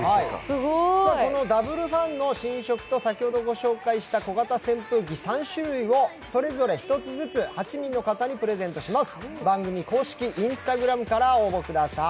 ＷＦａｎの新色と先ほどご紹介した小型扇風機３種類をそれぞれ１つずつ８人の方にプレゼントします。